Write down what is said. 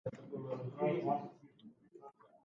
Se zavedaš kaj si rekel?